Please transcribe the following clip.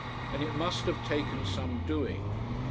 And it must have taken some doing.